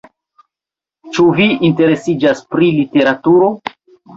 Ĉu vi interesiĝas pri literaturo?